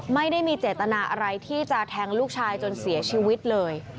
ไม่ได้มีเจตนาอะไรที่จะแทงลูกชายจนเสียชีวิตเลย